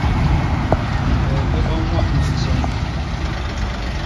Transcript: Boñge ba ññwahna nson.